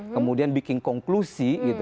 kemudian bikin konklusi gitu